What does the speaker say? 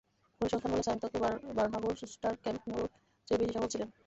পরিসংখ্যান বলে, সান্তিয়াগো বার্নাব্যুর সুস্টার ক্যাম্প ন্যুর চেয়ে বেশি সফল ছিলেন।